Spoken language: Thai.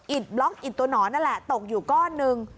บล็อกอิดตัวหนอนนั่นแหละตกอยู่ก้อนหนึ่ง